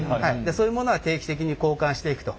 そういうものは定期的に交換していくと。